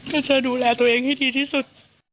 ก็จะดูแลตัวเองให้ดีที่สุด